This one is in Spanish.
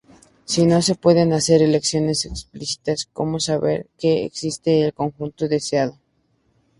Si no se pueden hacer elecciones explícitas, ¿cómo saber que existe el conjunto deseado?